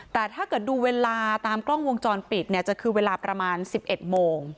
แต่ถ้าเกิดดูเวลาตามกล้องวงจรปิดเนี่ยจะคือเวลาประมาณ๑๑โมง